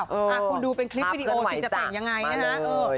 เออมาเพื่อนไหวจักมาเลยคุณดูเป็นคลิปวิดีโอที่จะแต่งยังไงนะฮะเออ